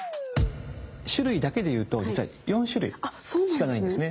種類だけでいうと実は４種類しかないんですね。